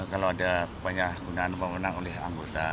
kalau ada penyalahgunaan pemenang oleh anggota